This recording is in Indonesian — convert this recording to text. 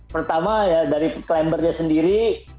pertama ya dari climbernya sendiri